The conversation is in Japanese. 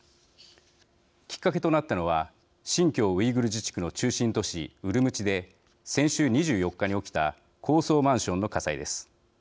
きっかけとなったのは新疆ウイグル自治区の中心都市ウルムチで先週２４日に起きた高層マンションの火災です。